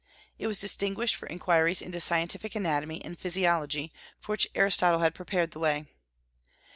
It was distinguished for inquiries into scientific anatomy and physiology, for which Aristotle had prepared the way.